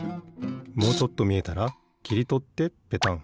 もうちょっとみえたらきりとってペタン。